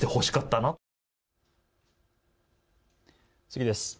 次です。